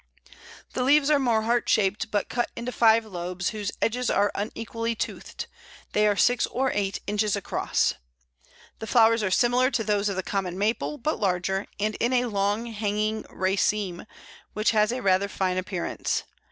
The leaves are more heart shaped, but cut into five lobes, whose edges are unequally toothed; they are six or eight inches across. The flowers are similar to those of the Common Maple, but larger, and in a long hanging raceme, which has a rather fine appearance.